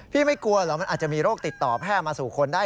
ไม่กลัวเหรอมันอาจจะมีโรคติดต่อแพร่มาสู่คนได้